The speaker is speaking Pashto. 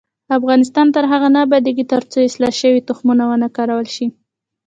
افغانستان تر هغو نه ابادیږي، ترڅو اصلاح شوي تخمونه ونه کارول شي.